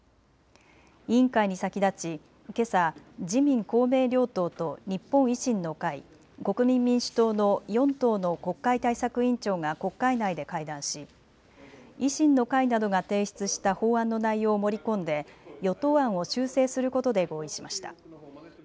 委員会に先立ちけさ自民公明両党と日本維新の会、国民民主党の４党の国会対策委員長が国会内で会談し維新の会などが提出した法案の内容を盛り込んで与党案を修正することで合意しました。